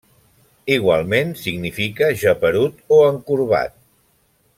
Igualment significa geperut o encorbat.